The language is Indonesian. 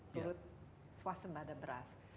menurut swasem pada beras